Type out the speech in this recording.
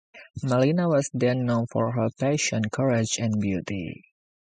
Malina was then known for her passion, courage and beauty.